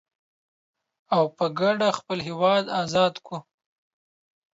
او په کډه خپل هيواد ازاد کړو.